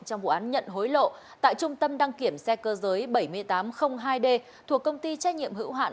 trong vụ án nhận hối lộ tại trung tâm đăng kiểm xe cơ giới bảy nghìn tám trăm linh hai d thuộc công ty trách nhiệm hữu hạn